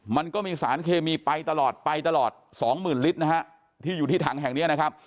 มันก็มีสารเคมีไปตลอด๒๐๐๐๐ลิตรนะฮะที่อยู่ที่ถังแห่งนี้นะครับ